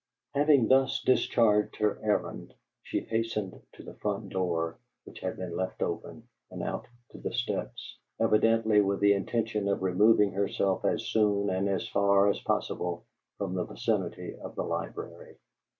Having thus discharged her errand, she hastened to the front door, which had been left open, and out to the steps, evidently with the intention of removing herself as soon and as far as possible from the vicinity of the library.